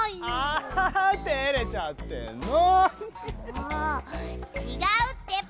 もうちがうってば！